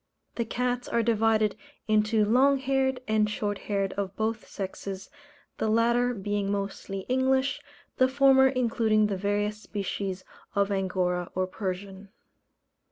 The cats are divided into long haired and short haired of both sexes, the latter being mostly English, the former including the various species of Angora or Persian.